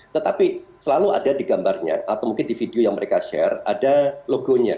tetapi selalu ada di gambarnya atau mungkin di video yang mereka share ada logonya